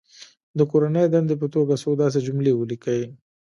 د کورنۍ دندې په توګه څو داسې جملې ولیکي.